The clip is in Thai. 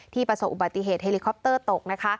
ประสบอุบัติเหตุเฮลิคอปเตอร์ตกนะคะ